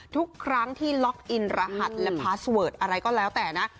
ทุกครั้งที่ล็อกอินรหัสและพาสเวิร์ดอะไรก็แล้วแต่นะ